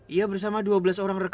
ia bersama dua belas orang rekan